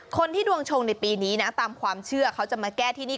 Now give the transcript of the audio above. คนที่ดวงชงในปีนี้นะตามความเชื่อเขาจะมาแก้ที่นี่